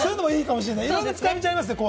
いろいろな使い道ありますね。